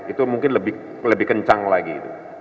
itu mungkin lebih kencang lagi